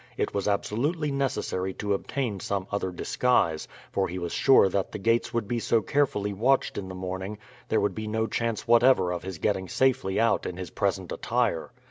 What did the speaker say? It was absolutely necessary to obtain some other disguise, for he was sure that the gates would be so carefully watched in the morning there would be no chance whatever of his getting safely out in his present attire.